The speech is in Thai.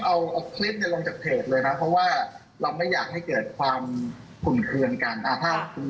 ผมกับพ่อมน้องรับประสบปลาตัวเองไม่น่าไปทำอย่างนั้นเลย